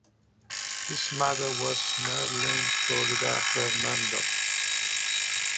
His mother was Merlin Florida Fernando.